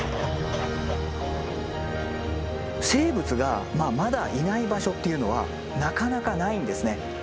生物がまだいない場所っていうのはなかなかないんですね。